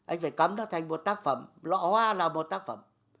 anh phải cắm nó thành một tác phẩm lõ hoa là một tác phẩm